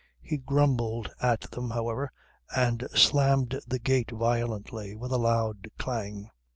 He grumbled at them however and slammed the gate violently with a loud clang.